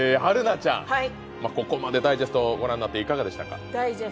ここまでダイジェストご覧になっていかがでしたか？